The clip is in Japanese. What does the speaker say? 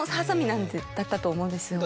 だったと思うんですよ。